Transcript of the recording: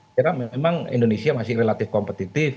kira memang indonesia masih relatif kompetitif